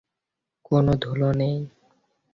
কোন ধুলো নেই।